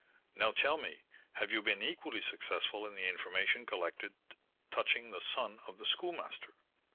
Now tell me, have you been equally successful in the information collected touching the son of the Schoolmaster?"